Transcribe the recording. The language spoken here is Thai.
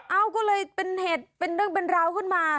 เอ้าก็เลยเป็นเหตุเป็นเรื่องเป็นราวขึ้นมา